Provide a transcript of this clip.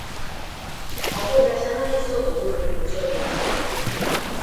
Agora xa non é só do grupo impulsor inicial.